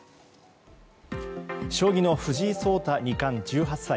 将棋の藤井聡太二冠、１８歳。